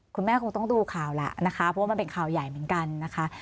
คุณแม่คงต้องดูข่าวแหละนะคะเพราะว่ามันเป็นข่าวใหญ่เหมือนกันนะคะ